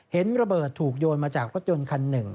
เห็นระเบิดถูกโยนมาจากรถยนต์คันหนึ่ง